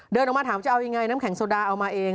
เดินออกมาถามจะเอายังไงน้ำแข็งโซดาเอามาเอง